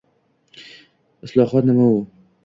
«Islohot — nima u?»